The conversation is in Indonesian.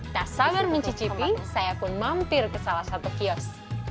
tak sabar mencicipi saya pun mampir ke salah satu kios